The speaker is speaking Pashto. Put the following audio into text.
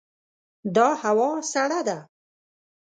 دا هوا سړه ده.